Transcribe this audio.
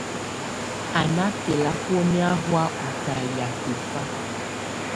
Á́ ná bɛlabɔ́nyá hɔ̀á ú talɛ̀á tɔ́fà.